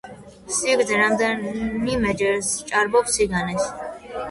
სიგრძე რამდენიმეჯერ სჭარბობს სიგანეს.